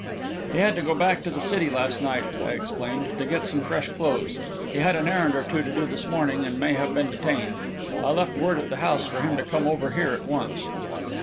"He had to go back to the city last night," I explained, "to get some fresh clothes. He had an errand or two to do this morning, and may have been detained. I left word at the house for him to come over here at once."